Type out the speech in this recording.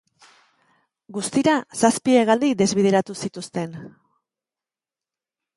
Guztira, zazpi hegaldi desbideratu zituzten.